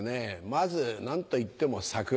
まず何といっても桜。